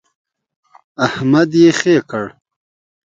احمد يې خې کړ.